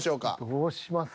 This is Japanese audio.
どうします？